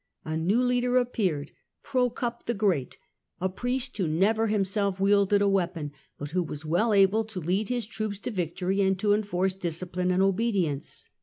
A new leader appeared, Prokop the Great, a priest who never himself wielded a weapon, but who was well able to lead his troops to victory and to e^iforce disciphne and obedience.